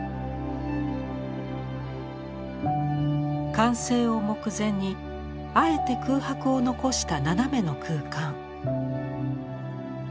完成を目前にあえて空白を残した斜めの空間。